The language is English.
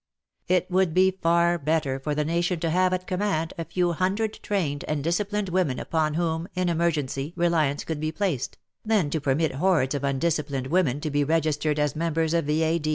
It would be far better for the nation to have at command a few hundred trained and disciplined women upon whom in emergency reliance could be placed, than to permit hordes of undisciplined women to be registered as members of V.A.